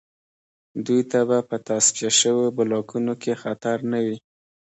دوی ته به په تصفیه شویو بلاکونو کې خطر نه وي